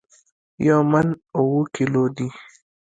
یو من اوو کیلو دي